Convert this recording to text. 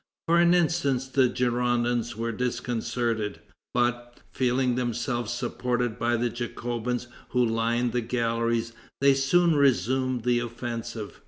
For an instant the Girondins were disconcerted; but, feeling themselves supported by the Jacobins who lined the galleries, they soon resumed the offensive.